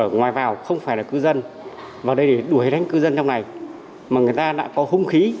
những người đánh cư dân trong này đã có hung khí